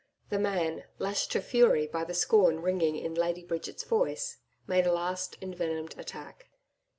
The man, lashed to fury by the scorn ringing in Lady Bridget's voice, made a last envenomed attack.